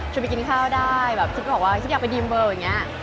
จะไปกินข้าวได้คิดบอกว่าคิดอยากไปดีมเบอร์อย่างนี้